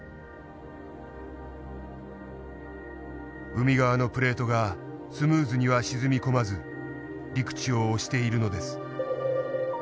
海側のプレートがスムーズには沈み込まず陸地を押しているのです。